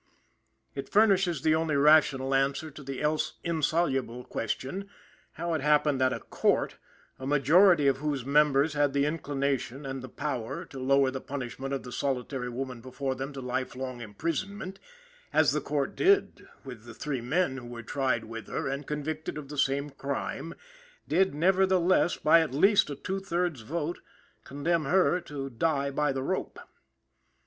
It furnishes the only rational answer to the else insoluble question, how it happened that a court, a majority of whose members had the inclination and the power to lower the punishment of the solitary woman before them to life long imprisonment, as the court did with the three men who were tried with her and convicted of the same crime, did nevertheless, by at least a two thirds vote, condemn her to die by the rope.